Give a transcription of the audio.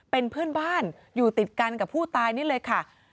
เป็นเพื่อนบ้านอยู่ติดกันกับผู้ตายนี่เลยค่ะ